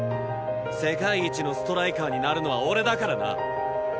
世界一のストライカーになるのは俺だからな。